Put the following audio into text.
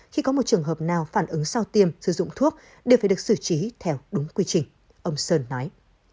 khi có một trường hợp nào phản ứng sau tiêm sử dụng thuốc đều phải được xử trí theo đúng quy trình ông sơn nói